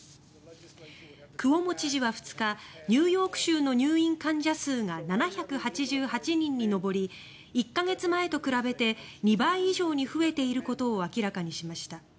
クオモ知事は２日ニューヨーク州の入院患者数が７８８人に上り１か月前と比べて２倍以上に増えていることを明らかにしました。